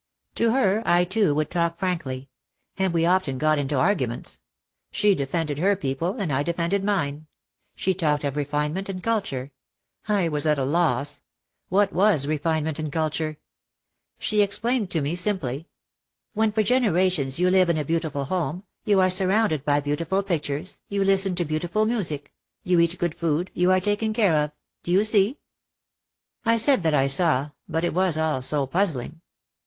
To her, I, too, would talk frankly. And we often got into arguments. She defended her people and I defended mine. She talked of refinement and culture. I was at a loss. What was refinement and culture? She ex plained to me simply, "When for generations you live in a beautiful home, you are surrounded by beautiful pictures, you listen to beautiful music, you eat good food, you are taken care of. Do you see?" I said that I saw, but it was all so puzzling.